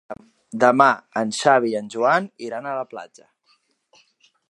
Demà en Xavi i en Joan iran a la platja.